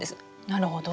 なるほど。